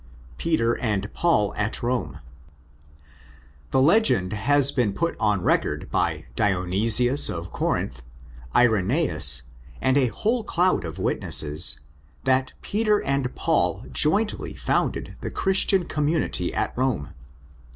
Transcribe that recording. Peter and Paul at Rome. The legend has been put on record by Dionysius of Corinth (Euseb. H.E. ii. 25, 8), Irensus, and a whole eloud of witnesses, that Peter and Paul jointly founded the Christian community at Rome.